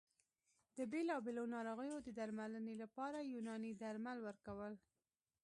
د بېلابېلو ناروغیو د درملنې لپاره یوناني درمل ورکول